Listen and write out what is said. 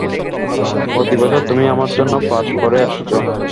প্রতি বছর তুমি আমার জন্য পাস করে আসছো।